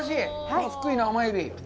この福井の甘えび。